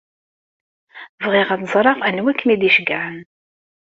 Bɣiɣ ad ẓreɣ anwa i kem-id-iceyyɛen.